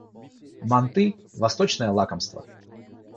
Манты - восточное лакомство.